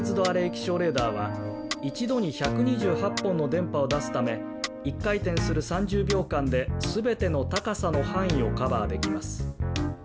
気象レーダーは一度に１２８本の電波を出すため１回転する３０秒間で全ての高さの範囲をカバーできます